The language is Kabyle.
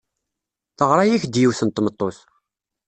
Teɣra-ak-d yiwet n tmeṭṭut.